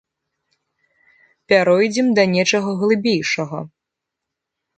Пяройдзем да нечага глыбейшага.